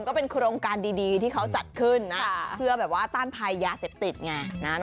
ก็เป็นโครงการดีที่เขาจัดขึ้นนะเพื่อแบบว่าต้านภัยยาเสพติดไง